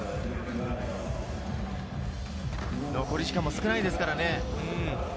残り時間も少ないですからね。